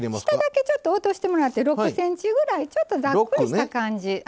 下だけ落としてもらって６ｃｍぐらいちょっとざっくりした感じ。